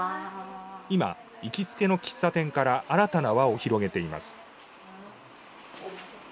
今行きつけの喫茶店から新たな輪を広げています。